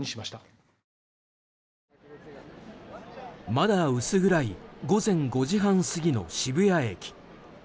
まだ薄暗い午前５時半過ぎの渋谷駅。